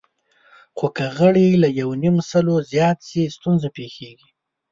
خو که غړي له یونیمسلو زیات شي، ستونزې پېښېږي.